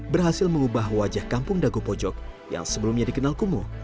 berhasil mengubah wajah kampung dagupojo yang sebelumnya dikenal kumuh